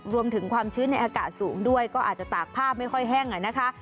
รวมถึงความชื้นในอากาศสูงด้วยก็อาจจะตากผ้าไม่ค่อยแห้งนะคะ